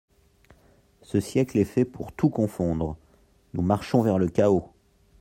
Ce siècle est fait pour tout confondre ! nous marchons vers le chaos.